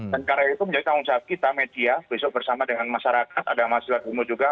dan karena itu menjadi tanggung jawab kita media besok bersama dengan masyarakat ada masyarakat umum juga